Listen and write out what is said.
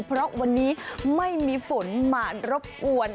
เพราะวันนี้ไม่มีฝนมารบกวน